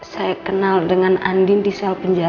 saya kenal dengan andin di sel penjara